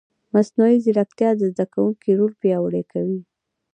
مصنوعي ځیرکتیا د زده کوونکي رول پیاوړی کوي.